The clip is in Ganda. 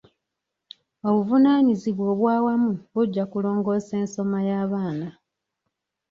Obuvunaanyizibwa obw'awamu bujja kulongoosa ensoma y'abaana.